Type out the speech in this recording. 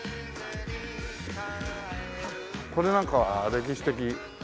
これなんかは歴史的。